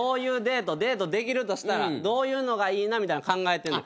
デートできるとしたらどういうのがいいなみたいなの考えてんの？